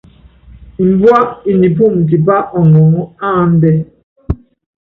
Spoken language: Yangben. Mbúá i nipúum tipá ɔŋɔŋɔ́ áandɛ́.